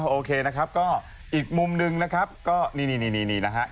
โอเคนะครับก็อีกมุมหนึ่งนะครับก็นี่นี่นะฮะ